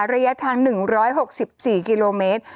ระยะทาง๑๖๔กิโลเมตร